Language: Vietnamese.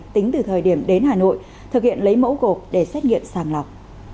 tính từ thời điểm đến hà nội thực hiện lấy mẫu gộp để xét nghiệm sàng lọc